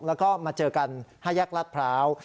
แล้วก็มาเจอกัน๕แยกลาดพร้าว